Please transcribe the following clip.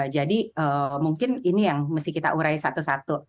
jadi mungkin ini yang mesti kita urai satu satu